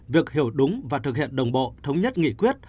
việc hiểu đúng và thực hiện đồng bộ thống nhất nghị quyết